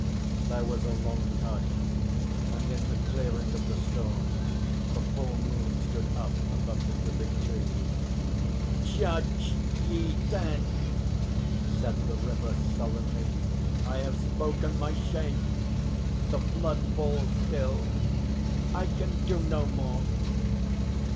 There was a long hush, and in the clearing of the storm the full moon stood up above the dripping trees. "Judge ye, then," said the River, sullenly. "I have spoken my shame. The flood falls still. I can do no more."